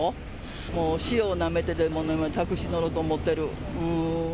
もう塩をなめてでもタクシーに乗ろうと思ってる。